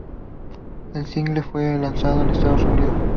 El single no fue lanzado en Estados Unidos.